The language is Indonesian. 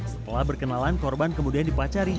setelah berkenalan korban kemudian dipacari